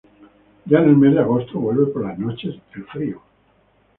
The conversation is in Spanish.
Ya en el mes de agosto vuelve por las noches el frío.